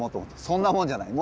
そんなもんじゃない。